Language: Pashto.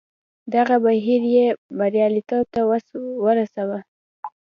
دغه بهیر یې بریالیتوب ته ورساوه.